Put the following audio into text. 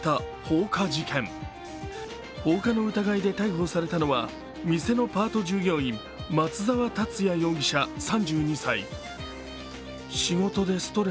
放火の疑いで逮捕されたのは、店のパート従業員、松沢達也容疑者３２歳。